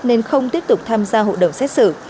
nên không tiếp tục tham gia hội đồng xét xử